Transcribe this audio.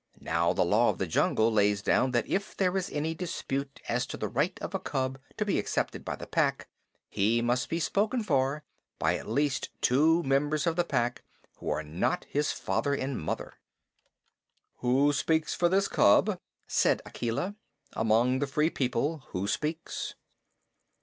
Now, the Law of the Jungle lays down that if there is any dispute as to the right of a cub to be accepted by the Pack, he must be spoken for by at least two members of the Pack who are not his father and mother. "Who speaks for this cub?" said Akela. "Among the Free People who speaks?"